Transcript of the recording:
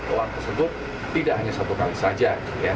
uang tersebut tidak hanya satu kali saja